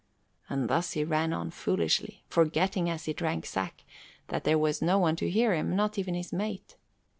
And thus he ran on foolishly, forgetting as he drank sack, that there was no one to hear him, not even his mate.